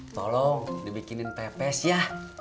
tolong dibikinin pepes ya